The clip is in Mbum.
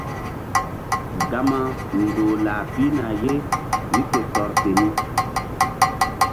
Gama ndoh lah pihna ye mí ke tɔr keni.